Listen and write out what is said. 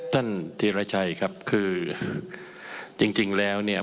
ธีรชัยครับคือจริงแล้วเนี่ย